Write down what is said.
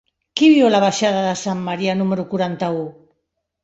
Qui viu a la baixada de Sant Marià número quaranta-u?